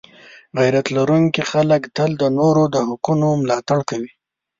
غیرت لرونکي خلک تل د نورو د حقونو ملاتړ کوي.